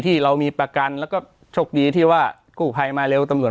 ที่เรามีประกันแล้วก็โชคดีที่ว่ากู้ภัยมาเร็วตำรวจ